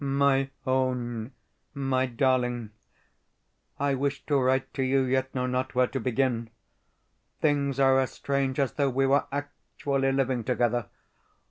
MY OWN, MY DARLING, I wish to write to you, yet know not where to begin. Things are as strange as though we were actually living together.